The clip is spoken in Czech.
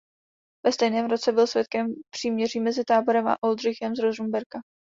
Ve stejném roce byl svědkem příměří mezi Táborem a Oldřichem z Rožmberka.